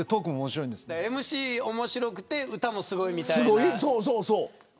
ＭＣ面白くて歌も、すごいみたいな。